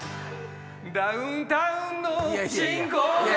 ダウンタウンのチンコが